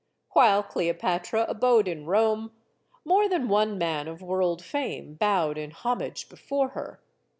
While Cleopatra abode in Rome, more than one man of world fame bowed in homage before her.